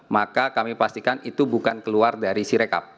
maka kami pastikan itu bukan keluar dari sirekap